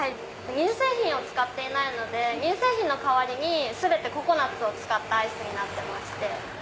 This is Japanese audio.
乳製品を使っていないので乳製品の代わりにココナツを使ったアイスになってまして。